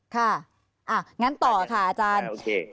ค่ะอ่ะงั้นต่อค่ะอาจารย์